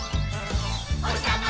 「おひさま